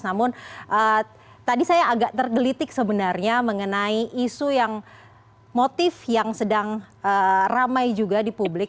namun tadi saya agak tergelitik sebenarnya mengenai isu yang motif yang sedang ramai juga di publik